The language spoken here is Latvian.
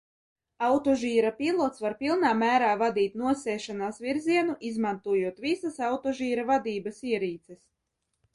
Autožīra pilots var pilnā mērā vadīt nosēšanās virzienu, izmantojot visas autožīra vadības ierīces.